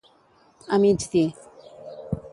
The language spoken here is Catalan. A mig dir.